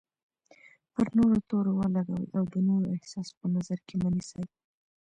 پر نورو تور ولګوئ او د نورو احساس په نظر کې مه نیسئ.